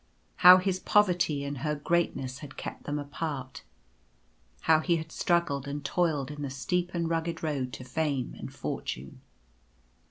How his poverty and her greatness had kept them apart. How he had struggled and toiled in the steep and rugged road to fame and fortune.